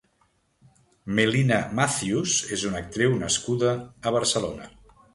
Melina Matthews és una actriu nascuda a Barcelona.